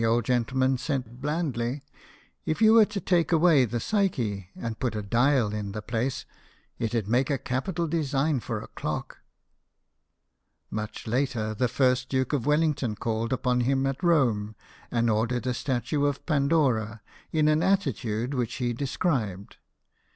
old gentleman said blandly, "If you were to take away the Psyche and put a dial in the place, it'd make a capital design for a clock." Much later, the first Duke of Wellington called upon him at Rome and ordered a statue of Pandora, in an attitude which he described.